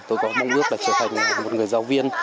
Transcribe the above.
tôi có mong ước là trở thành một người giáo viên